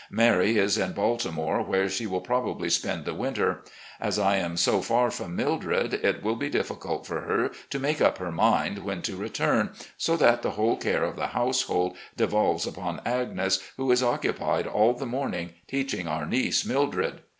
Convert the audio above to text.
Mary is in Baltimore, where she will probably spend the winter. As I am so far from Mildred, it will be difficult for her to make up her mind when to return, so that the whole care of the household devolves upon Agnes, who is occupied aU the morning, teaching our niece, Mildred.